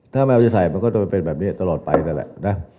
ถ้าแมวจะใส่มันก็จะเป็นแบบนี้ตลอดไปนั่นแหละนะ